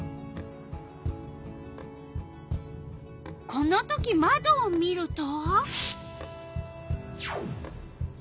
このときまどを見ると？